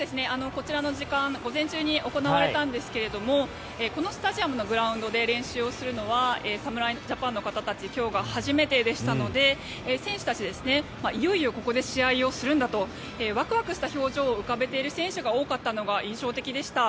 こちらの時間午前中に行われたんですけれどもこのスタジアムのグラウンドで練習をするのは侍ジャパンの方たち今日が初めてでしたので選手たち、いよいよここで試合をするんだとワクワクした表情を浮かべている選手が多かったのが印象的でした。